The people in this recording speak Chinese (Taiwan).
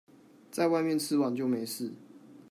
在外面吃完就沒事